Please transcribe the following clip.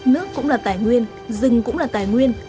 nước cũng là tài nguyên rừng cũng là tài nguyên